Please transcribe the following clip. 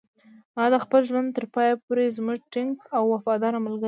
هغه د خپل ژوند تر پایه پورې زموږ ټینګ او وفادار ملګری شو.